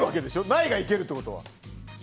ないがいけるってことは。